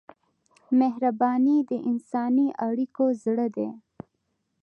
مهرباني د انساني اړیکو زړه دی.